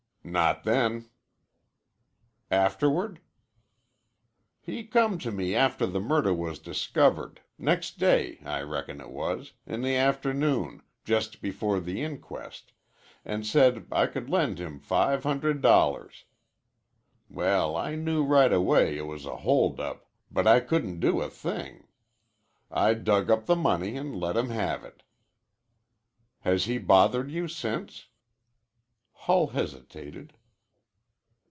"Not then." "Afterward?" "He come to me after the murder was discovered next day, I reckon it was, in the afternoon, just before the inquest and said could I lend him five hundred dollars. Well, I knew right away it was a hold up, but I couldn't do a thing. I dug up the money an' let him have it." "Has he bothered you since?" Hull hesitated.